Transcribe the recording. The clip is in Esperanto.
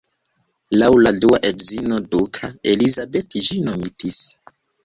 Laŭ la dua edzino duka Elisabeth ĝi nomitis.